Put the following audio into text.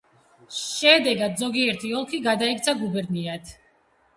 შედეგად ზოგირთი ოლქი გადაიქცა გუბერნიად.